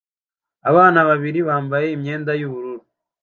Abana babiri bambaye imyenda yubururu